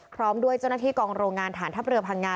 พร้อมด้วยเจ้าหน้าที่กองโรงงานฐานทัพเรือพังงา